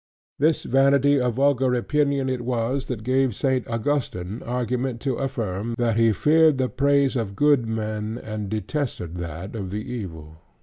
This vanity of vulgar opinion it was, that gave St. Augustine argument to affirm, that he feared the praise of good men, and detested that of the evil.